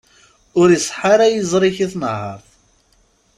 Ur iṣeḥḥa ara yiẓri-k i tenherk.